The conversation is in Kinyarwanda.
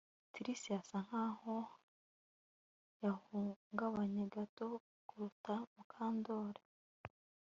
Trix asa nkaho yahungabanye gato kuruta Mukandoli